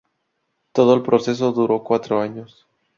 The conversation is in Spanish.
Todo el proceso duró cuatro años.